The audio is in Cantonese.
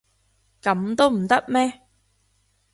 噉都唔得咩？